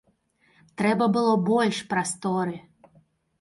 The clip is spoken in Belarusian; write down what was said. Трэба было больш прасторы.